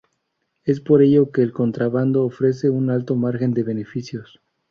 Es por ello que el contrabando ofrece un alto margen de beneficios.